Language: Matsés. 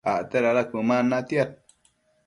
acte dada cuëman natiad